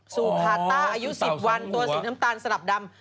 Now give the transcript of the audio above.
สู่พาต้าอายุ๑๐วันตัวสีน้ำตาลสลับดำ